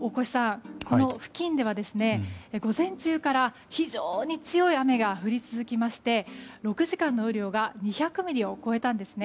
大越さん、この付近では午前中から非常に強い雨が降り続きまして６時間の雨量が２００ミリを超えたんですね。